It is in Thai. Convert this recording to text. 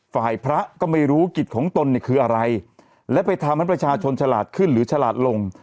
ฝ่ายพระก็ไม่รู้กิจของตนเนี่ยคืออะไรและไปทำให้ประชาชนฉลาดขึ้นหรือฉลาดลง